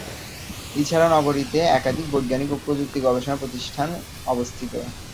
এছাড়া নগরীতে একাধিক বৈজ্ঞানিক ও প্রযুক্তি গবেষণা প্রতিষ্ঠান অবস্থিত।